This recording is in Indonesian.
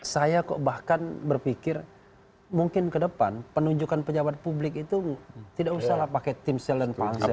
saya kok bahkan berpikir mungkin ke depan penunjukan pejabat publik itu tidak usahlah pakai timsel dan pansel